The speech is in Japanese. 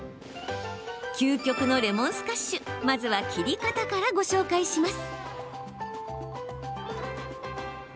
究極のレモンスカッシュまずは切り方からご紹介します。